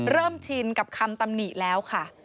ชินกับคำตำหนิแล้วค่ะ